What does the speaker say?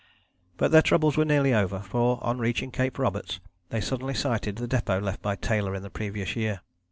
But their troubles were nearly over, for on reaching Cape Roberts they suddenly sighted the depôt left by Taylor in the previous year.